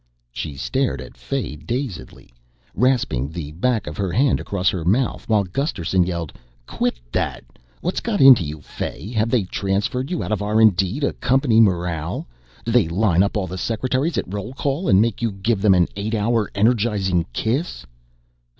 She stared at Fay dazedly, rasping the back of her hand across her mouth, while Gusterson yelled, "Quit that! What's got into you, Fay? Have they transferred you out of R & D to Company Morale? Do they line up all the secretaries at roll call and make you give them an eight hour energizing kiss?"